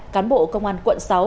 cán bộ công an quận sáu